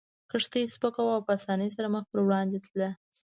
کښتۍ سپکه وه او په اسانۍ سره مخ پر وړاندې تله.